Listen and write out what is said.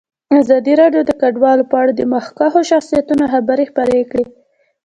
ازادي راډیو د کډوال په اړه د مخکښو شخصیتونو خبرې خپرې کړي.